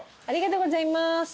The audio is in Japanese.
ありがとうございます。